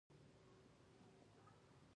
هغه د نړیوال نرخ شاوخوا لس سلنه کېده.